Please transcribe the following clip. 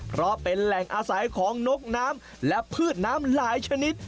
เพราะเป็นแหล่งอาศัยของนกน้ำและพืชน้ำหลายชนิด